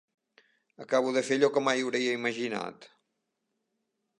Acabo de fer allò que mai hauria imaginat.